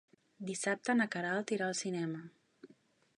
Dissabte na Queralt irà al cinema.